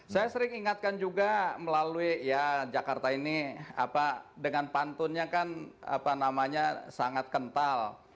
saya sering ingatkan juga melalui ya jakarta ini dengan pantunnya kan apa namanya sangat kental